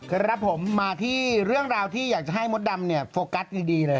ครับผมมาที่เรื่องราวที่อยากจะให้มดดำเนี่ยโฟกัสดีเลย